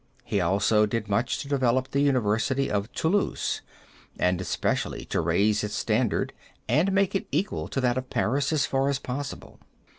He also did much to develop the University of Toulouse, and especially to raise its standard and make it equal to that of Paris as far as possible.